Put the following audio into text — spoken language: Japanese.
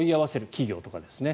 企業とかですね。